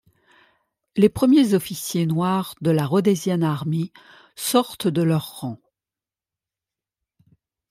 Les premiers officiers noirs de la Rhodesian Army sortent de leurs rangs.